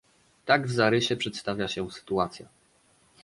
Tak w zarysie przedstawia się sytuacja